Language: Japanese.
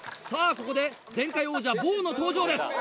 ここで前回王者ボウの登場です！